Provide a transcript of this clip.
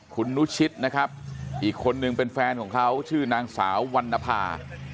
คุณนุชิตนะครับอีกคนนึงเป็นแฟนของเขาชื่อนางสาววรรณภา